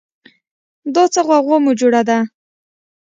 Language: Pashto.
دا څه غوغا مو جوړه ده